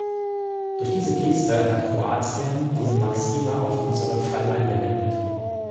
Durch diese Geste hat Kroatien diese Maxime auf unseren Fall angewendet.